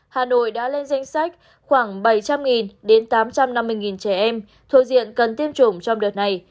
hà nội đã lên danh sách khoảng bảy trăm linh đến tám trăm năm mươi trẻ em thuộc diện cần tiêm chủng trong đợt này